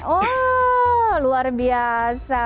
oh luar biasa